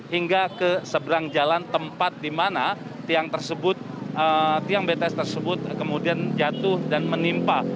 hingga ke seberang jalan tempat di mana tiang bts tersebut kemudian jatuh dan menimpa